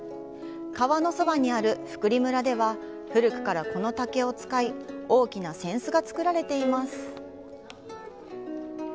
川のそばにある福利村では古くからこの竹を使い大きな扇子が作られています。